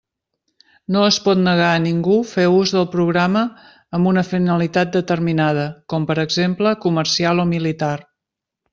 No es pot negar a ningú fer ús del programa amb una finalitat determinada, com per exemple comercial o militar.